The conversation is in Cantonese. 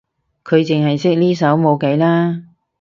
佢淨係識呢首冇計啦